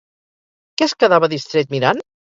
Què es quedava distret mirant?